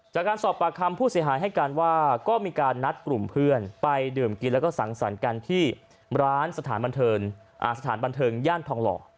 จากการสอบปากคำผู้เสียหายให้การว่าก็มีการนัดกลุ่มเพื่อนไปดื่มกินแล้วก็สังสรรค์กันที่ร้านสถานบันเทิงสถานบันเทิงย่านทองหล่อ